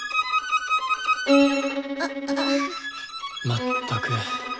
まったく。